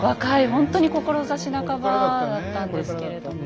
ほんとに志半ばだったんですけれども。